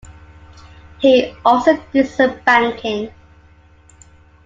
He also did some banking.